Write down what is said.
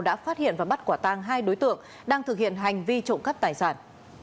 đã phát hiện và bắt quả tang hai đối tượng đang thực hiện hành vi trộm cắp tài sản